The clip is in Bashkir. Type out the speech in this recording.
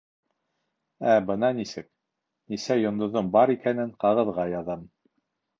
Ә бына нисек: нисә йондоҙом бар икәнен ҡағыҙға яҙам.